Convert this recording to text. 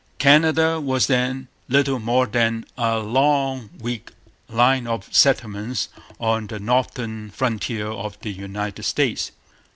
Canada was then little more than a long, weak line of settlements on the northern frontier of the United States.